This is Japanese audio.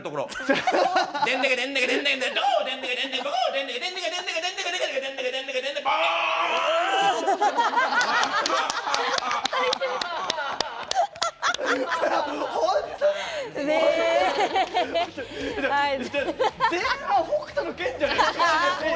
ちょっと前半「北斗の拳」じゃないですか！